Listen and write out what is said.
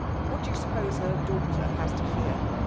What do joa suppose her daughter has to fear?